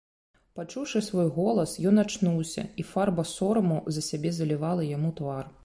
Пачуўшы свой голас, ён ачнуўся, і фарба сораму за сябе залівала яму твар.